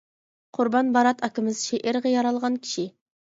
قۇربان بارات ئاكىمىز شېئىرغا يارالغان كىشى.